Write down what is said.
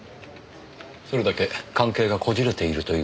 それだけ関係がこじれているという事でしょうか？